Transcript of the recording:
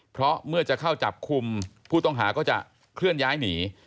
เพราะเมื่อจะเข้าจับกลุ่มผู้ต้องหาก็จะเคลื่อนย้ายหนี